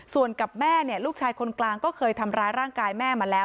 ส่วนกับแม่เนี่ยลูกชายคนกลางก็เคยทำร้ายร่างกายแม่มาแล้ว